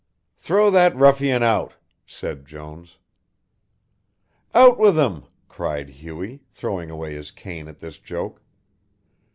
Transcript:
"Throw that ruffian out," said Jones. "Out with him," cried Hughie, throwing away his cane at this joke.